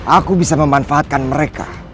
aku bisa memanfaatkan mereka